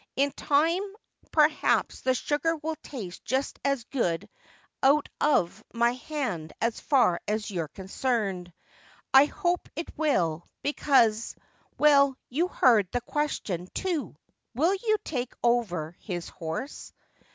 In time perhaps the sugar will taste just as good out of my hand as far as you're concerned. I hope it will, because — well, you heard the question, too —" Will you take over his horse